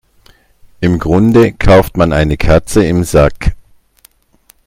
Im Grunde kauft man eine Katze im Sack.